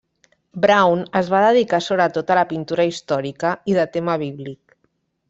Brown es va dedicar sobretot a la pintura històrica i de tema bíblic.